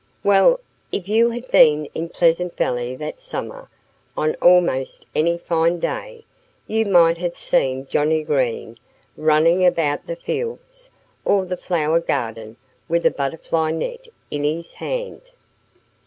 Well, if you had been in Pleasant Valley that summer, on almost any fine day you might have seen Johnnie Green running about the fields or the flower garden with a butterfly net in his hand.